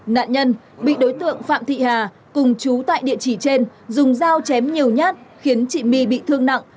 nạn nhân bị đối tượng phạm thị hà cùng chú tại địa chỉ trên dùng dao chém nhiều nhát khiến chị my bị thương nặng